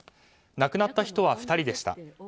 亡くなった人は２人でした。